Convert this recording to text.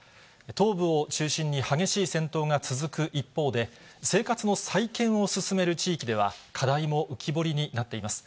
東部を中心に激しい戦闘が続く一方で、生活の再建を進める地域では、課題も浮き彫りになっています。